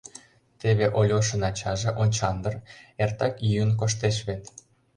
Теве Ольошын ачаже — Очандр — эртак йӱын коштеш вет...